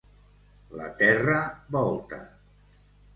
La terra volta.